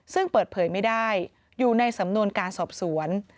ซึ่งเปิดเผยไม่ได้อยู่ในสำนวนการสอบสวน